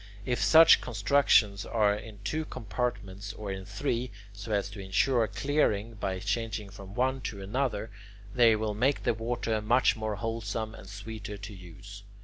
If such constructions are in two compartments or in three so as to insure clearing by changing from one to another, they will make the water much more wholesome and sweeter to use.